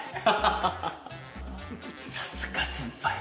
さすが先輩！